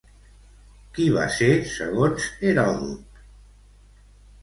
Qui va ser segons Heròdot?